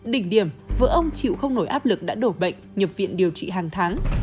đỉnh điểm vợ ông chịu không nổi áp lực đã đổ bệnh nhập viện điều trị hàng tháng